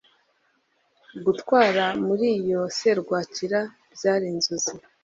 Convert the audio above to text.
Gutwara muri iyo serwakira byari inzozi